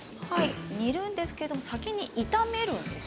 煮るんですが先に炒めるんですね。